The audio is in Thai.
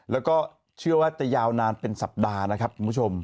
แล้วก็เชื่อว่าจะยาวนานเป็นสัปดาห์นะครับคุณผู้ชม